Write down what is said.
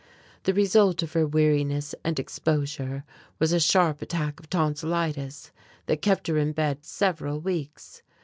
The result of her weariness and exposure was a sharp attack of tonsilitis that kept her in bed several weeks.